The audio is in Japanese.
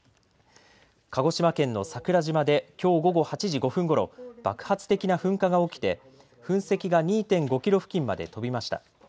鹿児島県の桜島できょう午後８時５分ごろ爆発的な噴火が起きて噴石が２．５キロ付近まで飛びました。